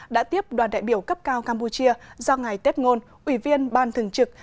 đã tiếp đoàn đại biểu cấp cao campuchia do ngày tết ngôn ủy viên ban thường trực